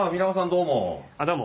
どうも。